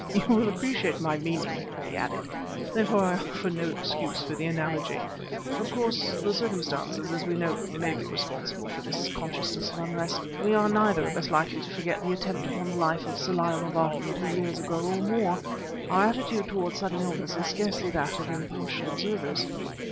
"You will appreciate my meaning," he added; "therefore I offer no excuse for the analogy. Of course, the circumstances, as we know them, may be responsible for this consciousness of unrest. We are neither of us likely to forget the attempt upon the life of Sir Lionel Barton two years ago or more. Our attitude toward sudden illness is scarcely that of impartial observers."